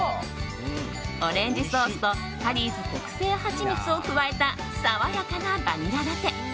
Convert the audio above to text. オレンジソースとタリーズ特製ハチミツを加えた爽やかなバニララテ。